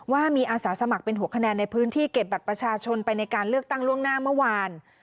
ว่ามีอาสาสมัครเป็นหัวคะแนนในพื้นที่เก็บบัตรประชาชนไปในการเลือกตั้งล่วงหน้าเมื่อวาน